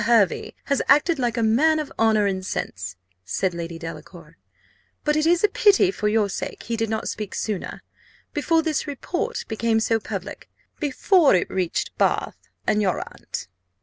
Hervey has acted like a man of honour and sense," said Lady Delacour; "but it is a pity, for your sake, he did not speak sooner before this report became so public before it reached Bath, and your aunt.